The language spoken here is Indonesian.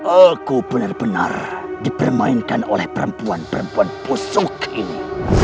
aku benar benar dipermainkan oleh perempuan perempuan pusuk ini